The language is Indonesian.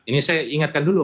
ini saya ingatkan dulu